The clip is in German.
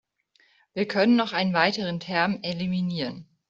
Wir können noch einen weiteren Term eliminieren.